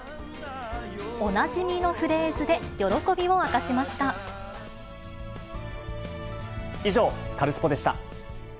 おなじみのフレーズで喜びを以上、カルスポっ！でした。